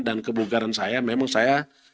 dan kebukaran saya memang saya